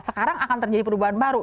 sekarang akan terjadi perubahan baru